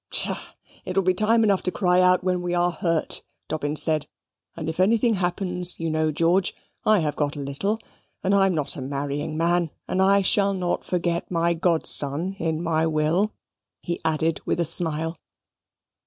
"Psha! It will be time enough to cry out when we are hurt," Dobbin said. "And if anything happens, you know, George, I have got a little, and I am not a marrying man, and I shall not forget my godson in my will," he added, with a smile.